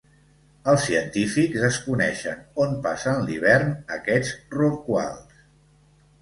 Els científics desconeixen on passen l'hivern aquests rorquals.